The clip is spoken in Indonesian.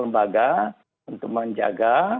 lembaga untuk menjaga